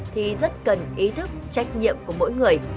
thì rất cần ý thức trách nhiệm của mỗi người